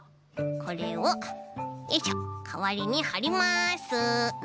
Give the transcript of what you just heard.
これをよいしょかわりにはります。